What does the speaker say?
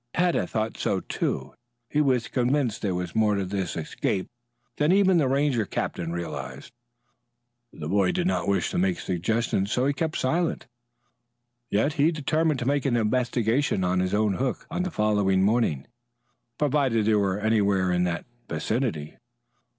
Tad had thought so, too. He was convinced that there was more to this escape than even the Ranger captain realized. The boy did not wish to make suggestions so he kept silent. Yet he determined to make an investigation on his own hook on the following morning, provided they were anywhere in that vicinity.